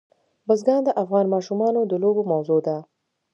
بزګان د افغان ماشومانو د لوبو موضوع ده.